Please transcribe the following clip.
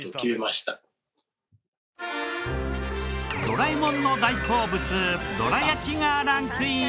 ドラえもんの大好物どら焼きがランクイン。